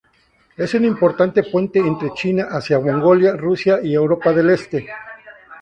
Es un importante puente entre China hacia Mongolia, Rusia y Europa del Este.